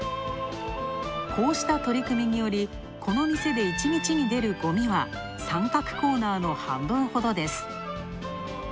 こうした取り組みによりこの店で１日に出るごみは、三角コーナーの半分ほどです。